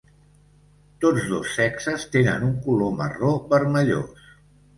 Tots dos sexes tenen un color marró-vermellós.